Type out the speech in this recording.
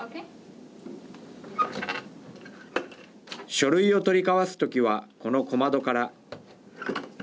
書類を取り交わす時はこの小窓から。